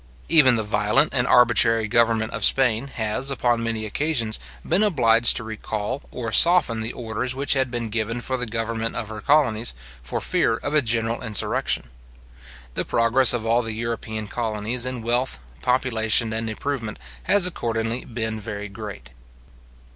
Even the violent and arbitrary government of Spain has, upon many occasions, been obliged to recall or soften the orders which had been given for the government of her colonies, for fear of a general insurrection. The progress of all the European colonies in wealth, population, and improvement, has accordingly been very great.